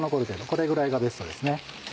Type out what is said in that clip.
これぐらいがベストですね。